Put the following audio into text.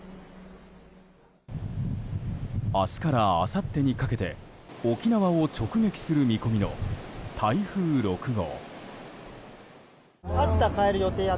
明日からあさってにかけて沖縄を直撃する見込みの台風６号。